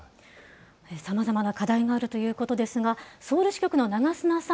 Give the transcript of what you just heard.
さまざまな課題があるということですが、ソウル支局の長砂さ